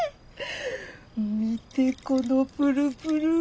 見てこのプルプル。